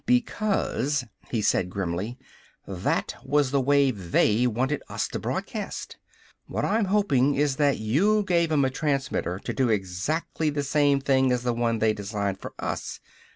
"Because," he said grimly, "that was the wave they wanted us to broadcast. What I'm hoping is that you gave 'em a transmitter to do exactly the same thing as the one they designed for us.